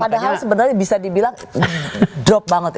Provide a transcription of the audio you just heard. padahal sebenarnya bisa dibilang drop banget ya